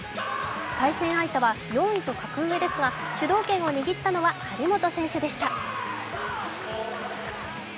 対戦相手は４位と格上ですが、主導権を握ったのは張本選手でした。